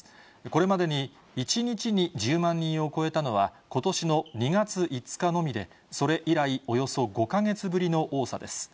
これまでに１日に１０万人を超えたのは、ことしの２月５日のみで、それ以来、およそ５か月ぶりの多さです。